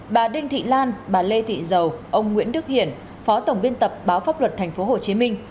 bà đinh thị lan bà lê thị dầu ông nguyễn đức hiển phó tổng biên tập báo pháp luật tp hcm